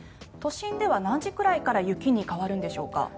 都心では何時くらいから雪に変わるのでしょうか。